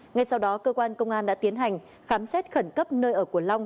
ngay sau đó cơ quan công an đã tiến hành khám xét khẩn cấp nơi ở của long